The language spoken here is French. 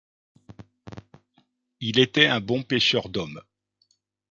Il était un bon pêcheur d'hommes.